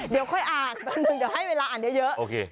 เดี๋ยวค่อยอ้ากแบบนึงจะให้เวลาอันเยอะ